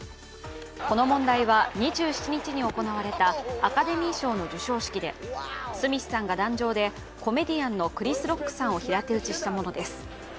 この問題は、２７日に行われたアカデミー賞の授賞式でスミスさんが壇上でコメディアンのクリス・ロックさんを平手打ちしたものです。